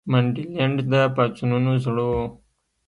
منډلینډ د پاڅونونو زړه وو.